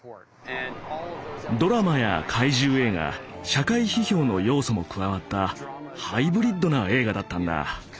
ドラマや怪獣映画社会批評の要素も加わったハイブリッドな映画だったんだ。